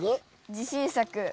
自信作。